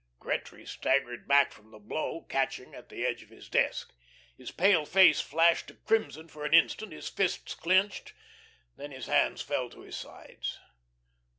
Gretry staggered back from the blow, catching at the edge of his desk. His pale face flashed to crimson for an instant, his fists clinched; then his hands fell to his sides.